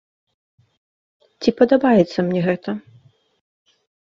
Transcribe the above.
Ці падабаецца мне гэта?